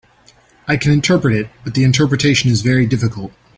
I can interpret it, but the interpretation is very difficult.